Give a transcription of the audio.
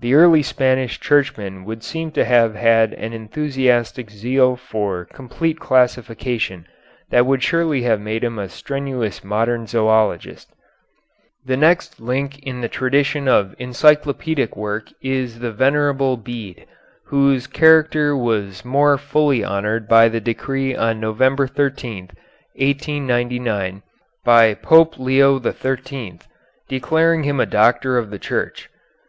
The early Spanish Churchman would seem to have had an enthusiastic zeal for complete classification that would surely have made him a strenuous modern zoölogist. The next link in the tradition of encyclopedic work is the Venerable Bede, whose character was more fully honored by the decree on November 13, 1899, by Pope Leo XIII declaring him a Doctor of the Church.